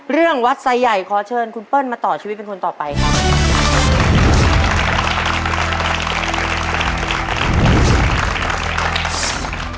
เรื่องวัดไซใหญ่ขอเชิญคุณเปิ้ลมาต่อชีวิตเป็นคนต่อไปครับ